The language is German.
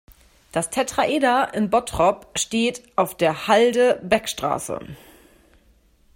Das Tetraeder in Bottrop steht auf der Halde Beckstraße.